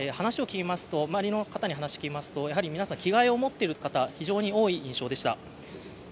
周りの方に話を聞きますと、やはり皆さん、着替えを持っている方が非常に多い印象でした。